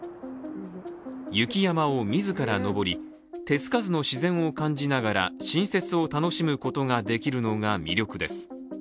雪山を自ら登り、手付かずの自然を感じながら新雪を楽しむことができるのが魅力です。